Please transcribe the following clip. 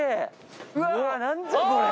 うわ何じゃこれ！